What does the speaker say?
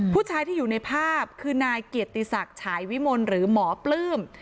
ผู้ชายที่อยู่ในภาพคือนายเกียรติศักดิ์ฉายวิมลหรือหมอปลื้ม